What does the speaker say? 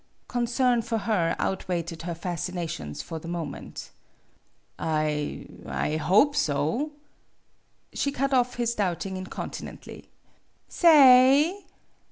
Concern for her outweighed her fascinations for the moment. "I I hope so ' She cut off his doubting incontinently. " Sa ay!